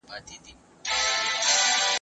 د ذکر سوي آیت ژباړې او مفهوم ته ولي متوجه کیږو؟